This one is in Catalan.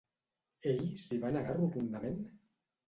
Ell s'hi va negar rotundament?